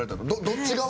どっち側？